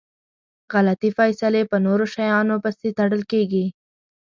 غلطي فیصلی په نورو شیانو پسي تړل کیږي.